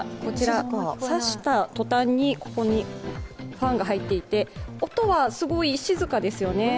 さした途端に、ここにファンが入っていて、音は、すごい静かですよね。